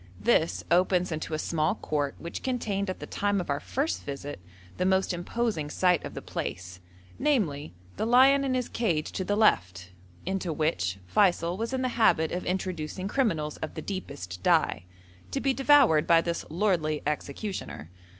This opens into a small court which contained at the time of our first visit the most imposing sight of the place, namely the lion in his cage to the left, into which Feysul was in the habit of introducing criminals of the deepest dye, to be devoured by this lordly executioner.